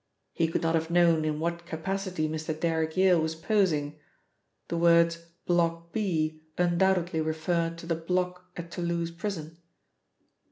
He could not have known in what capacity Mr. Derrick Yale was posing. The words 'Block B' undoubtedly referred to the Block at Toulouse Prison.